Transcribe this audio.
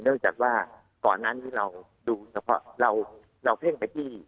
เนื่องจากว่าก่อนนั้นที่เราเพ่งไปที่